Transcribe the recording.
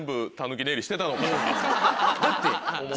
だって。